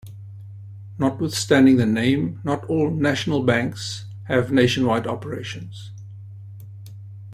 Notwithstanding the name, not all "national banks" have nationwide operations.